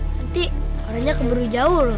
nanti orangnya keburu jauh loh